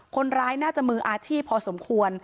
คนร้ายน่าจะมืออาชีพพอสมควร